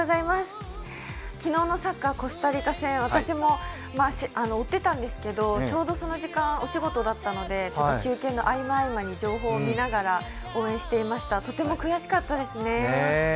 昨日のサッカー、コスタリカ戦、私も追っていたんですけど、ちょうどその時間お仕事だったので休憩の合間に情報を見ながら応援していましたが、とても悔しかったですね。